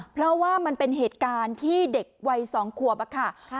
เพราะว่ามันเป็นเหตุการณ์ที่เด็กวัย๒ขวบอะค่ะ